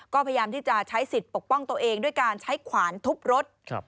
ก็พยายามที่จะใช้สิทธิ์ปกป้องตัวเองด้วยการใช้ขวานทุบรถ